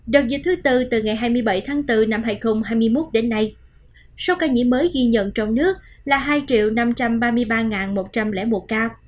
đợt dịch thứ tư từ ngày hai mươi bảy tháng bốn năm hai nghìn hai mươi một đến nay số ca nhiễm mới ghi nhận trong nước là hai năm trăm ba mươi ba một trăm linh một ca